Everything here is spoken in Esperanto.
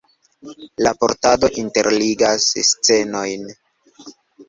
Raportado interligas scenojn.